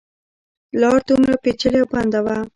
لاره دومره پېچلې او بنده وه.